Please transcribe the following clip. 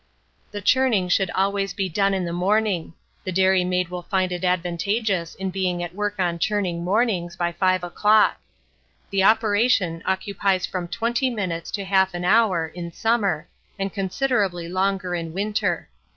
The churning should always be done in the morning: the dairy maid will find it advantageous in being at work on churning mornings by five o'clock. The operation occupies from 20 minutes to half an hour in summer, and considerably longer in winter.